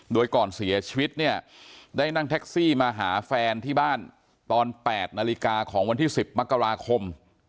โดยก่อนเสียชีวิตเนี่ยได้นั่งแท็กซี่มาหาแฟนที่บ้านตอน๘นาฬิกาของวันที่๑๐มกราคม